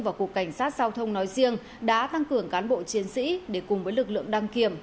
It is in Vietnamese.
và cục cảnh sát giao thông nói riêng đã tăng cường cán bộ chiến sĩ để cùng với lực lượng đăng kiểm